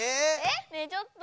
ねえちょっと。